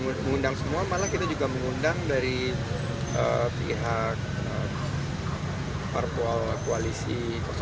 mengundang semua malah kita juga mengundang dari pihak parpol koalisi satu